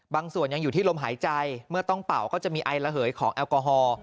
บางส่วนยังอยู่ที่ลมหายใจเมื่อต้องเป่าก็จะมีไอระเหยของแอลกอฮอล์